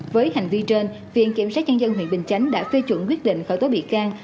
với hành vi trên viện kiểm sát nhân dân huyện bình chánh đã phê chuẩn quyết định khởi tố bị can